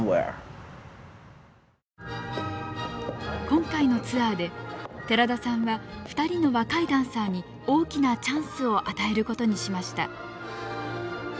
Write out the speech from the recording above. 今回のツアーで寺田さんは２人の若いダンサーに大きなチャンスを与えることにしました。